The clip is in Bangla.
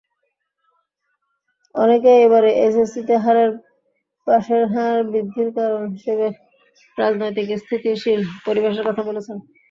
অনেকেই এবারে এইচএসসিতে পাসের হার বৃদ্ধির কারণ হিসেবে রাজনৈতিক স্থিতিশীল পরিবেশের কথা বলেছেন।